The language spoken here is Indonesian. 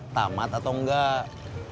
tamat atau nggak